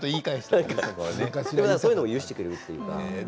そういうことも許してくれるというか。